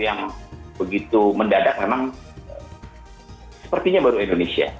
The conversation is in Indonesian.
yang begitu mendadak memang sepertinya baru indonesia